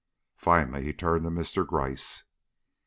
Finally he turned to Mr. Gryce. "Mr.